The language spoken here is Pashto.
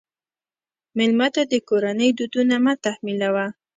مېلمه ته د کورنۍ دودونه مه تحمیلوه.